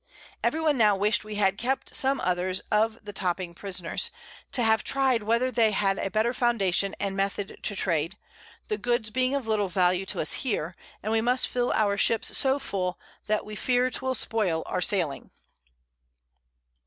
Every one now wish'd we had kept some others of the topping Prisoners, to have try'd whether they had a better Foundation and Method to trade; the Goods being of little value to us here, and we must fill our Ships so full, that we fear 'twill spoil our sailing.